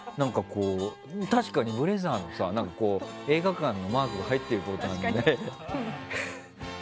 確かにブレザーに映画館のマークが入っているボタンで。